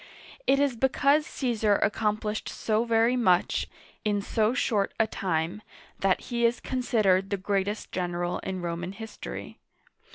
It is because Caesar accomplished so very much in so short a time that he is considered the greatest general in Roman history.